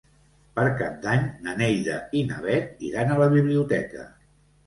Per Cap d'Any na Neida i na Bet iran a la biblioteca.